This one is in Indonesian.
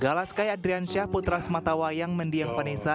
gala sky adrian syah putra smatawa yang mendiang vanessa